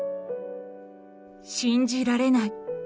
信じられない。